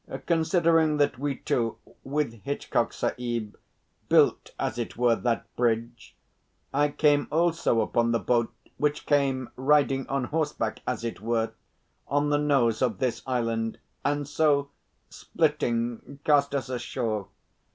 Considering that we two, with Hitchcock Sahib, built, as it were, that bridge, I came also upon the boat, which came riding on horseback, as it were, on the nose of this island, and so, splitting, cast us ashore.